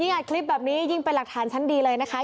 คลิปแบบนี้ยิ่งเป็นหลักฐานชั้นดีเลยนะคะ